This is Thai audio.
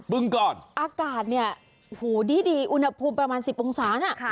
บึงกาลอากาศเนี่ยโหดีดีอุณหภูมิประมาณสิบองศาน่ะค่ะ